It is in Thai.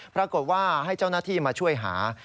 ปรากฏว่าให้เจ้าหน้าที่มาช่วยหา